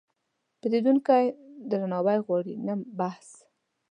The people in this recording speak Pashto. پیرودونکی درناوی غواړي، نه بحث.